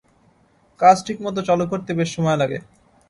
কাজ ঠিকমত চালু করতে বেশ সময় লাগে।